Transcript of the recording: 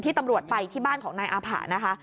ตำรวจไปที่บ้านของนายอาผะนะคะ